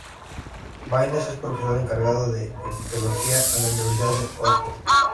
Baines es profesor encargado de Egiptología en la Universidad de Oxford.